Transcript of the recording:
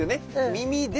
耳で。